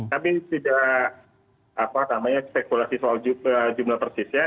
tapi tidak apa namanya spekulasi soal jumlah persis ya